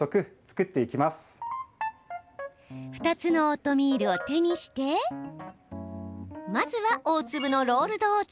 ２つのオートミールを手にしてまずは、大粒のロールドオーツ。